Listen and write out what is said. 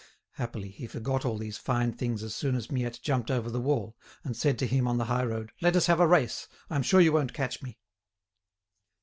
Happily he forgot all these fine things as soon as Miette jumped over the wall, and said to him on the high road: "Let us have a race! I'm sure you won't catch me."